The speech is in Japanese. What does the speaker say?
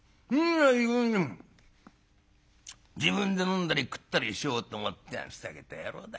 自分で飲んだり食ったりしようと思ってふざけた野郎だ」。